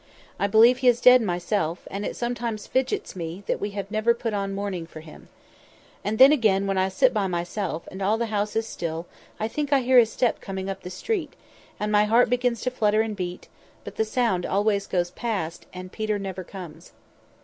I believe he is dead myself; and it sometimes fidgets me that we have never put on mourning for him. And then again, when I sit by myself, and all the house is still, I think I hear his step coming up the street, and my heart begins to flutter and beat; but the sound always goes past—and Peter never comes.